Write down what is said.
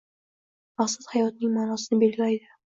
Maqsad hayotning ma'nosini belgilaydi.